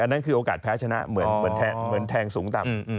นั่นคือโอกาสแพ้ชนะเหมือนแทงสูงต่ำ